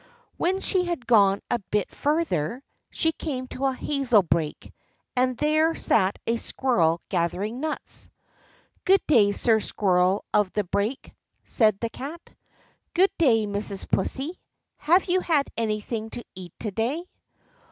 When she had gone a bit farther, she came to a hazel brake, and there sat a squirrel gathering nuts. "Good day, Sir Squirrel of the Brake," said the Cat. "Good day, Mrs. Pussy; have you had anything to eat to day?"